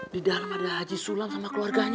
di dalam ada haji sulam sama keluarganya